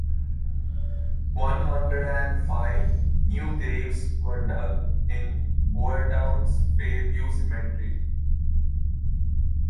One hundred and five new graves were dug in Boyertown's Fairview Cemetery.